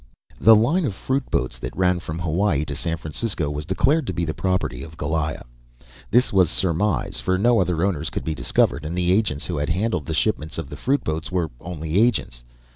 The line of fruit boats that ran from Hawaii to San Francisco was declared to be the property of Goliah. This was a surmise, for no other owner could be discovered, and the agents who handled the shipments of the fruit boats were only agents.